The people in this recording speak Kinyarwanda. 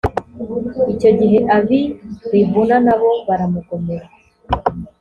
icyo gihe ab i libuna na bo baramugomera